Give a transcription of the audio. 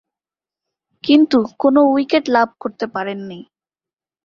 কিন্তু কোন উইকেট লাভ করতে পারেননি।